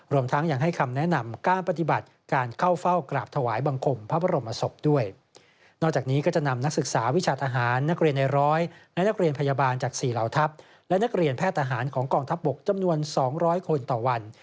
และนักเรียนแพทย์อาหารของกล่องทัพบกจำนวน๒๐๐คนต่อวัน